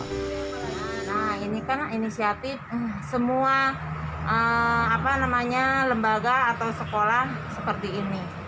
nah ini kan inisiatif semua lembaga atau sekolah seperti ini